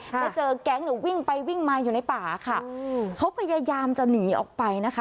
แล้วเจอแก๊งเนี่ยวิ่งไปวิ่งมาอยู่ในป่าค่ะเขาพยายามจะหนีออกไปนะคะ